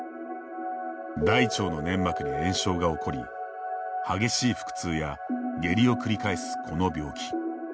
大腸の粘膜に炎症が起こり激しい腹痛や下痢を繰り返すこの病気。